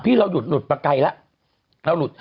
พี่เราหลุดหลุดมาไกลแล้ว